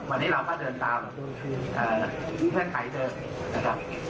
วันนี้เรามาเดินตามใครเดินนะครับ